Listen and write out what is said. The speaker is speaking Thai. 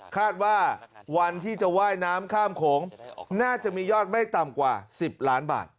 คาดว่าวันที่จะว่ายน้ำข้ามโขงน่าจะมียอดไม่ต่ำกว่า๑๐ล้านบาท